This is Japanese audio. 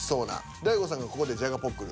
大悟さんがここでじゃがポックル。